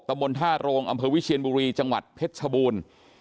บนท่าโรงอำเภอวิเชียนบุรีจังหวัดเพชรชบูรณ์